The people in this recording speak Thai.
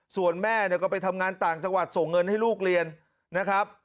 ส่วนแม่เนี่ยก็ไปทำงานต่างจังหวัดส่งเงินให้ลูกเรียนนะครับ